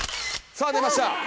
さあ出ました。